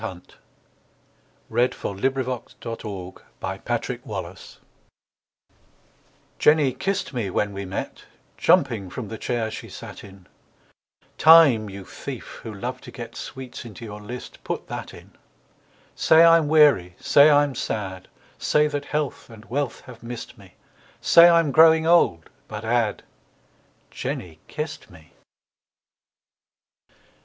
George Gordon Byron [1788 1824] "JENNY KISSED ME" Jenny kissed me when we met, Jumping from the chair she sat in; Time, you thief, who love to get Sweets into your list, put that in! Say I'm weary, say I'm sad, Say that health and wealth have missed me, Say I'm growing old, but add, Jenny kissed me.